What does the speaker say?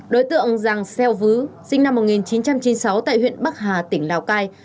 đối tượng giàng xeo vứ sinh năm một nghìn chín trăm chín mươi sáu tại huyện bắc hà tỉnh lào cai